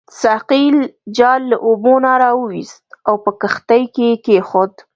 ساقي جال له اوبو نه راوایست او په کښتۍ کې کېښود.